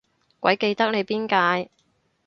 鬼記得你邊屆